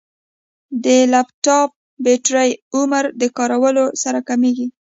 د لپټاپ بیټرۍ عمر د کارولو سره کمېږي.